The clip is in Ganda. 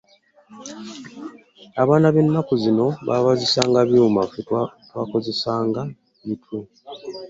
Abaana b'ennaku zino babazisa byuma, ffe twakozesanga mitwe.